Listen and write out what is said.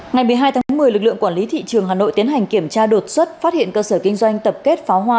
ngày một mươi hai tháng một mươi lực lượng quản lý thị trường hà nội tiến hành kiểm tra đột xuất phát hiện cơ sở kinh doanh tập kết pháo hoa